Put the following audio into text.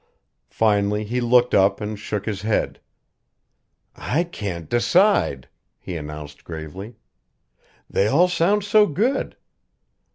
Finally he looked up and shook his head. "I can't decide," he announced gravely. "They all sound so good!